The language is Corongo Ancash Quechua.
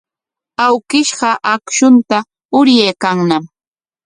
Awkishqa akshunta uryaykanñam.